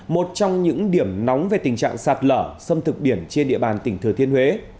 một trong những điểm nóng về tình trạng sạt lở xâm thực biển trên địa bàn tỉnh thừa thiên huế